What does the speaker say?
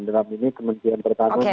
dalam ini kementerian pertahanan